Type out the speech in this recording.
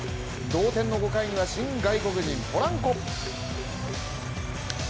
同点の５回には新外国人、ポランコ。